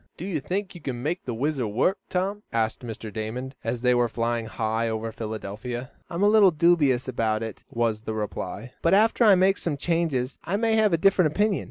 "Do you think you can make the WHIZZER work, Tom?" asked Mr. Damon, as they were flying high over Philadelphia. "I'm a little dubious about it," was the reply. "But after I make some changes I may have a different opinion.